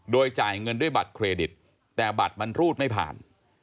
โดยจ่ายเงินด้วยบัตรเครดิตแต่บัตรมันรูดไม่ผ่าน